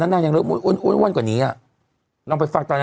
นะนะนะปื้มปรีบอยู่เนี้ยนะลูกนะโอเค